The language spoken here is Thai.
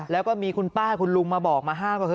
แล้วก็มีคุณป้าคุณลุงมาบอกมาห้ามก็คือ